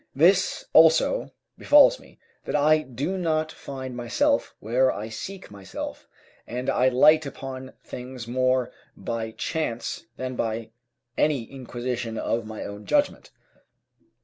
This, also, befalls me, that I do not find myself where I seek myself, and I light upon things more by chance than by any inquisition of my own judgment.